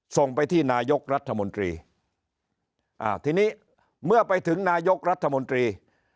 ส่งไปที่นายกรัฐมนตรีอ่าทีนี้เมื่อไปถึงนายกรัฐมนตรี